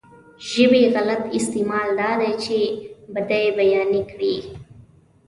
ژبې غلط استعمال دا دی چې بدۍ بيانې کړي.